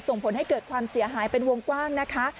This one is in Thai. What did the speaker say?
ส่งผลให้เกิดความเสียหายเป็นวงกว้างนะคะ